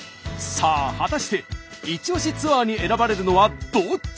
さあ果たしてイチオシツアーに選ばれるのはどっち？